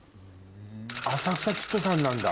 浅草キッドさんなんだ。